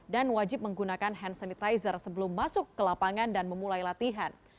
dan wajib menggunakan hand sanitizer sebelum masuk ke lapangan dan memulai latihan